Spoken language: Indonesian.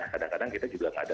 kadang kadang kita juga nggak ada